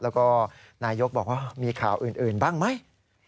แล้วก็นายกบอกว่ามีข่าวอื่นบ้างไหม